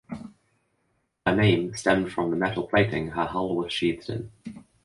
Her name stemmed from the metal plating her hull was sheathed in.